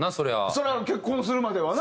それは結婚するまではな。